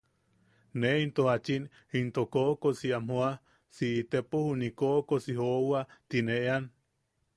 Ne into jachin into koʼokosi am jooa si itepo juniʼi koʼokosi joowa tine eʼean.